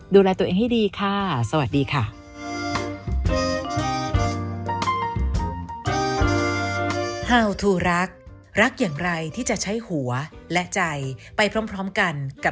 ดูแลตัวเองให้ดีค่ะสวัสดีค่ะ